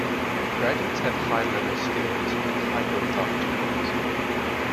Graduates have high-level skills and high-growth opportunities.